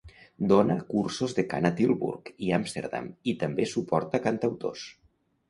Dóna cursos de cant a Tilburg i Amsterdam i també suporta cantautors.